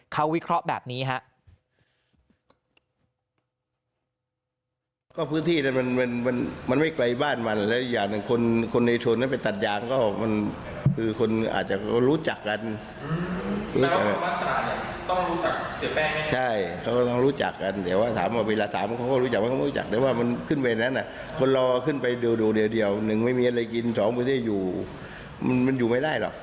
เขาวิเคราะห์แบบนี้ครับ